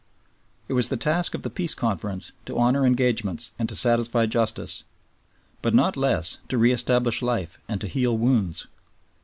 It was the task of the Peace Conference to honor engagements and to satisfy justice; but not less to re establish life and to heal wounds.